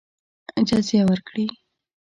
جزیه ورکړي.